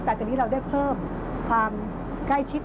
แต่ตอนนี้เราได้เพิ่มความใกล้ชิด